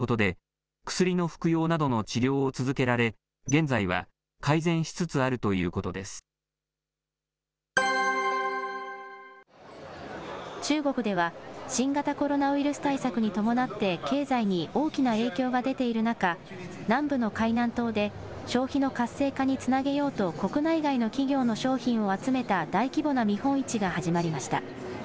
上皇さまに自覚症状はないということで、薬の服用などの治療を続けられ、現在は改善しつつあると中国では、新型コロナウイルス対策に伴って経済に大きな影響が出ている中、南部の海南島で、消費の活性化につなげようと、国内外の企業の商品を集めた大規模な見本市が始まりました。